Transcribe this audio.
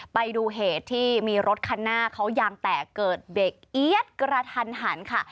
ไปดูเหตุที่มีรถคันหน้าเขายางแตกเกิดเบรกเอี๊ยดกระทันหันค่ะ